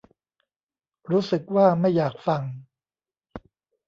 รู้สึกว่าไม่อยากสั่ง